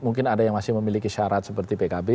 mungkin ada yang masih memiliki syarat seperti pkb